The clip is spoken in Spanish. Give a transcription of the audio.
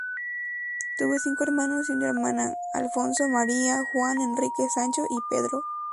Tuvo cinco hermanos y una hermana: Alfonso, María, Juan, Enrique, Sancho y Pedro.